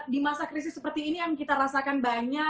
di masa krisis seperti ini yang kita rasakan banyak